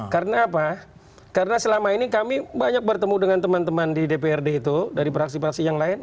karena apa karena selama ini kami banyak bertemu dengan teman teman di dprd itu dari fraksi fraksi yang lain